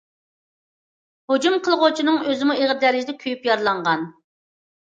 ھۇجۇم قىلغۇچىنىڭ ئۆزىمۇ ئېغىر دەرىجىدە كۆيۈپ يارىلانغان.